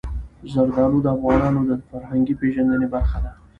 زردالو د افغانانو د فرهنګي پیژندنې برخه ده.